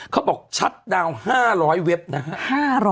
เขาบอกชัดดาวน์๕๐๐เว็บนะฮะ